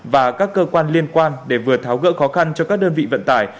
và các cơ quan liên quan để vừa tháo gỡ khó khăn cho các đơn vị vận tải